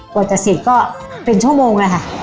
กว่าจะเสร็จก็เป็นชั่วโมงเลยค่ะ